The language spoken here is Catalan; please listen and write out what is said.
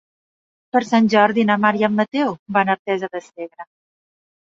Per Sant Jordi na Mar i en Mateu van a Artesa de Segre.